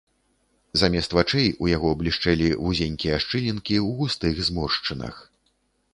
Замест вачэй у яго блішчэлі вузенькія шчылінкі ў густых зморшчынах.